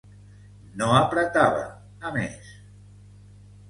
No apretava, a més.